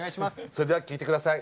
それでは聴いて下さい。